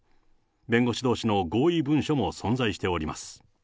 弁護士どうしの合意文書も存在しております。